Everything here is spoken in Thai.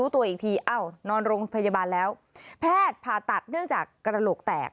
พยาบาลแล้วแพทย์ผ่าตัดเนื่องจากกระโหลกแตก